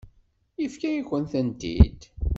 Yefka-yakent-tent-id.